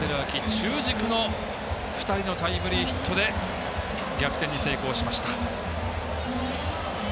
中軸の２人のタイムリーヒットで逆転に成功しました。